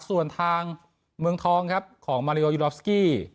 ส่วนทางเมืองทองครับของมาริโอยูดอสกี้